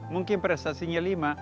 mungkin prestasinya lima